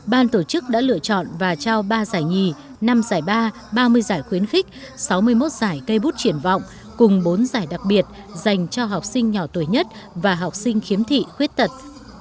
ban tổ chức đã lựa chọn và trao ba giải nhì năm giải ba ba mươi giải khuyến khích sáu mươi một giải cây bút triển vọng cùng bốn giải đặc biệt dành cho học sinh nhỏ tuổi nhất và học sinh khiếm thị khuyết tật